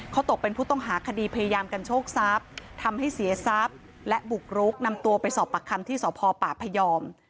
เขาตกเป็นผู้ต้องหาคดีพยายามกันโชคทรัพย์ทำให้เสียทรัพย์และบุกรุกนำตัวไปสอบปากคำที่สพปพยอม